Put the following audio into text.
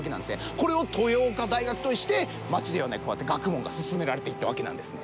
これを豊岡大学として町ではこうやって学問が進められていったわけなんですね。